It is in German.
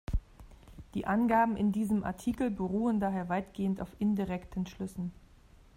Die Angaben in diesem Artikel beruhen daher weitgehend auf indirekten Schlüssen.